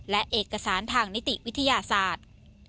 และเอกสารทางนิติวิทยาศาสตร์